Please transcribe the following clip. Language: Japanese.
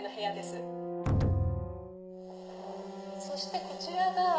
そしてこちらが。